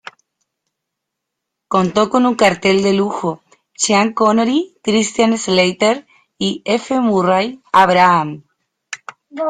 Contó con un cartel de lujo: Sean Connery, Christian Slater y F. Murray Abraham.